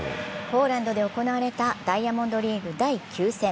ポーランドで行われたダイヤモンドリーグ第９戦。